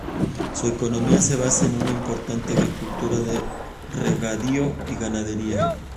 Su economía se basa en una importante agricultura de regadío y ganadería.